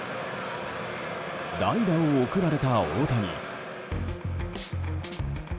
代打を送られた大谷。